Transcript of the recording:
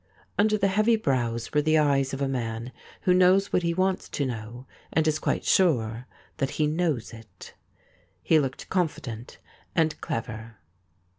Under the heavy brows were the eyes of a man who knows what he wants to know and is quite sure that he knows it. He looked confident and clever.